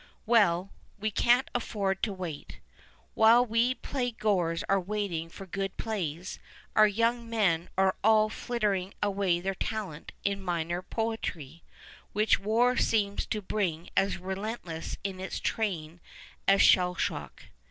Well, we can't afford to wait. While we playgoers are waiting for good plays, our young men are all frittering away their talent in minor poetry, which war seems to bring as relentlessly in its train as shell shock.